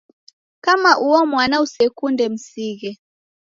Kama uo mwana usekunde msighe